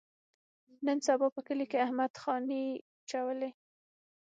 نن سبا په کلي کې احمد خاني چولي.